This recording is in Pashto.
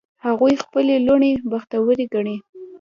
هغوی خپلې لوڼې بختوری ګڼي